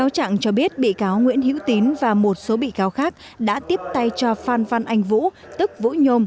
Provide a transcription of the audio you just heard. các bị cáo nguyễn hữu tín và một số bị cáo khác đã tiếp tay cho phan phan anh vũ tức vũ nhôm